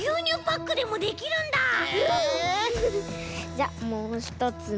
じゃもうひとつも。